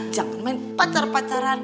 jangan main pacar pacaran